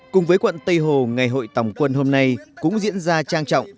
cùng với quận tây hồ ngày hội tòng quân hôm nay cũng diễn ra trang trọng